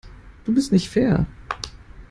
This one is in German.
Du bist nicht fair.